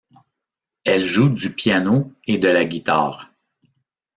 Elle joue du piano et de la guitare.